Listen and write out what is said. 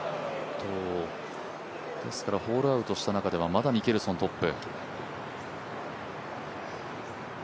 ホールアウトした中ではまだミケルソンがトップ。